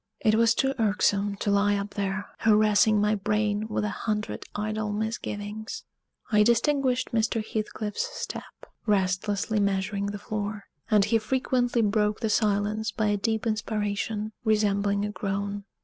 It was too irksome to lie up there, harassing my brain with a hundred idle misgivings. I distinguished Mr. Heathcliff's step, restlessly measuring the floor; and he frequently broke the silence by a deep inspiration, resembling a groan.